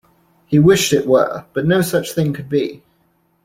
He wished it were, but no such thing could be.